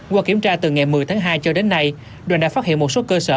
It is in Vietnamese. qua kiểm tra từ ngày một mươi tháng hai cho đến nay đoàn đã phát hiện một số cơ sở